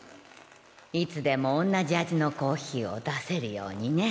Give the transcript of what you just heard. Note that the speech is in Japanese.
いつでもおんなじ味のコーヒーを出せるようにね